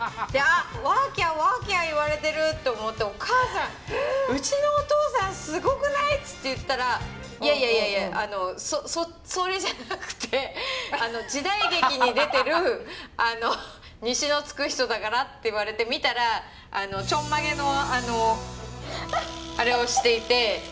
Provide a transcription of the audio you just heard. あっワキャワキャ言われてると思って「お母さんうちのお父さんすごくない！？」っつって言ったらいやいやいやいやそれじゃなくて時代劇に出てる「西」の付く人だからって言われて見たらちょんまげのあのアレをしていて。